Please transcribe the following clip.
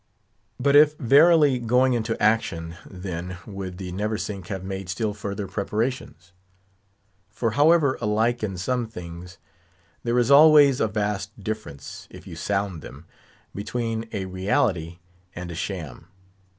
But if verily going into action, then would the Neversink have made still further preparations; for however alike in some things, there is always a vast difference—if you sound them—between a reality and a sham.